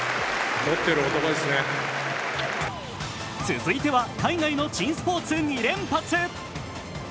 続いては海外の珍スポーツ２連発。